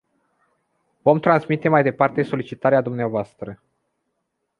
Vom transmite mai departe solicitarea dvs.